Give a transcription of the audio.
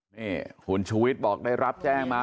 นี่คุณชูวิทย์บอกได้รับแจ้งมา